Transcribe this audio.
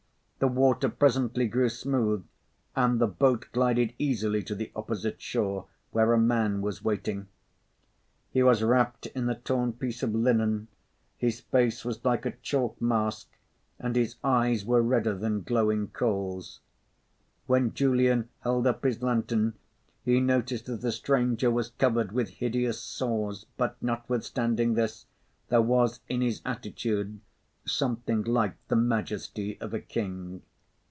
The water presently grew smooth and the boat glided easily to the opposite shore, where a man was waiting. He was wrapped in a torn piece of linen; his face was like a chalk mask, and his eyes were redder than glowing coals. When Julian held up his lantern he noticed that the stranger was covered with hideous sores; but notwithstanding this, there was in his attitude something like the majesty of a king.